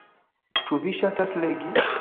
Ĉu vi ŝatas legi?